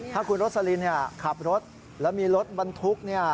ถ้าคุณโรสลินขับรถแล้วมีรถบรรทุกเนี่ย